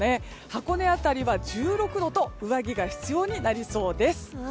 箱根辺りは１６度と上着が必要になりそうです。